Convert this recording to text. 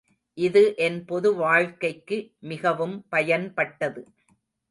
இது என் பொதுவாழ்க்கைக்கு மிகவும் பயன்பட்டது.